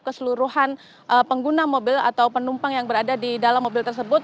keseluruhan pengguna mobil atau penumpang yang berada di dalam mobil tersebut